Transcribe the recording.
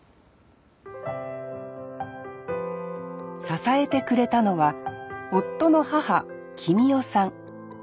支えてくれたのは夫の母記美代さん。